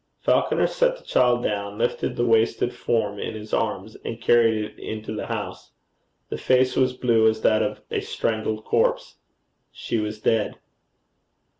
Falconer set the child down, lifted the wasted form in his arms, and carried it into the house. The face was blue as that of a strangled corpse. She was dead.